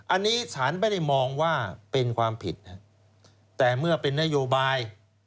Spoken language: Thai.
อันนี้สารไม่ได้มองว่าเป็นความผิดแต่เมื่อเป็นนโยบาย